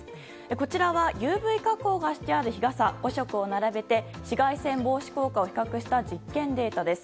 こちらはＵＶ加工がしてある日傘５色を並べて紫外線防止効果を比較した実験データです。